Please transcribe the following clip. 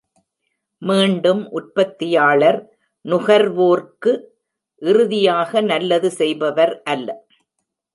மீண்டும், உற்பத்தியாளர் நுகர்வோர்க்கு இறுதியாக நல்லது செய்பவர் அல்ல.